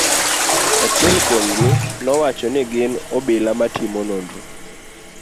Achiel kuom gi nowacho ni gin obila ma timo nonro.